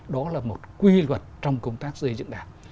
đó là một quy luật trong công tác xây dựng đảng